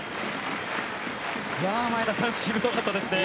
前田さん、しぶとかったですね。